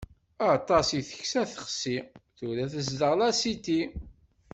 Aṭas i teksa tixsi, tura tezdeɣ lasiti.